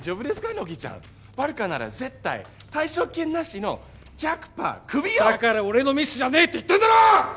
乃木ちゃんバルカなら絶対退職金なしの１００パークビよだから俺のミスじゃねえって言ってんだろ！